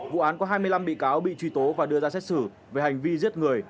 vụ án có hai mươi năm bị cáo bị truy tố và đưa ra xét xử về hành vi giết người